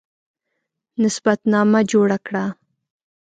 نسب نامه جوړه کړه.